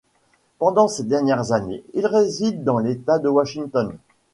Pendant ses dernières années, il réside dans l'État de Washington.